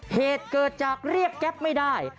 เหตุเกิดจากเรียกแก๊ปไม่ได้